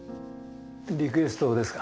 リクエストですか？